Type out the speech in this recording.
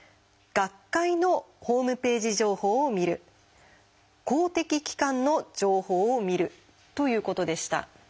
「学会のホームページ情報を見る」「公的機関の情報を見る」ということでした。